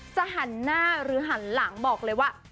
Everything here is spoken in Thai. หันหน้าหรือหันหลังบอกเลยว่า